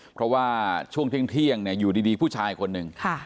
เพราะว่าช่วงเที่ยงอยู่ดีผู้ชายคนหนึ่ง